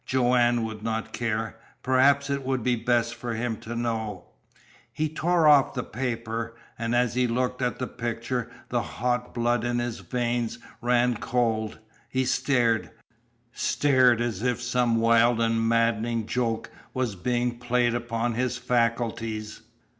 Joanne would not care. Perhaps it would be best for him to know. He tore off the paper. And as he looked at the picture the hot blood in his veins ran cold. He stared stared as if some wild and maddening joke was being played upon his faculties.